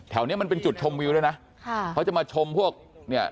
เนี้ยมันเป็นจุดชมวิวด้วยนะค่ะเขาจะมาชมพวกเนี่ย